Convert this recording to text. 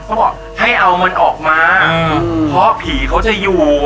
เขาบอกให้เอามันออกมาเพราะผีเขาจะอยู่